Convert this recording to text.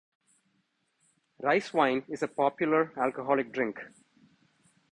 Rice wine is a popular alcoholic drink.